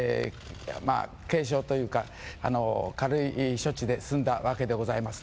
軽症というか、軽い処置で済んだわけでございます。